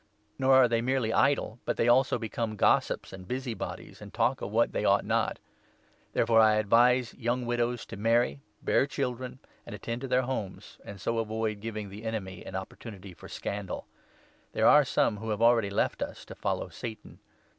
Nor are they merely idle, but they also become gossips and busy bodies, and talk of what they ought not. Therefore I advise young widows 14 to marry, bear children, and attend to their homes, and so avoid giving the enemy an opportunity for scandal. There 15 are some who have already left us, to follow Satan.